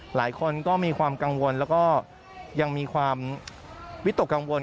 หลายคนก็มีความกังวลแล้วก็ยังมีความวิตกกังวล